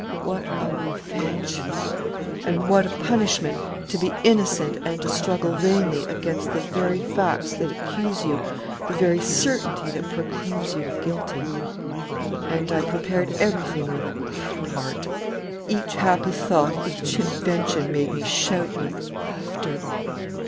What a revenge!... And what a punishment! To be innocent and to struggle vainly against the very facts that accuse you, the very certainty that proclaims you guilty. "And I prepared everything with a glad heart. Each happy thought, each invention made me shout with laughter.